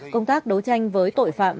công tác đấu tranh với tội phạm